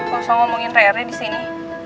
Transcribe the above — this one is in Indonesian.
gak usah ngomongin rere disini